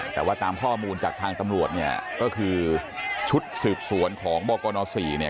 แต่ว่าตามข้อมูลจากทางตำรวจก็คือชุดสืบสวนของบอกอนอสรี